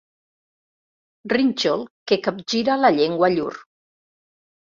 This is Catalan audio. Rínxol que capgira la llengua llur.